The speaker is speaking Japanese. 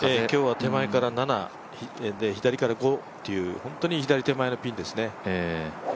今日は手前から７で、左から５という、本当に左手前のピンですね。